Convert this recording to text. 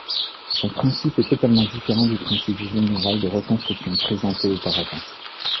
Son principe est totalement différent du principe général de reconstruction présenté auparavant.